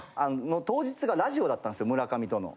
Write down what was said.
当日がラジオだったんですよ村上との。